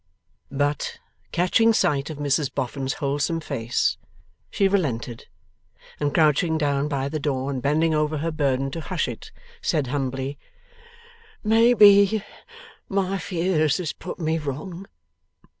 But, catching sight of Mrs Boffin's wholesome face, she relented, and crouching down by the door and bending over her burden to hush it, said humbly: 'Maybe my fears has put me wrong.